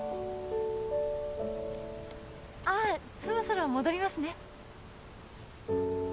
「ああそろそろ戻りますね」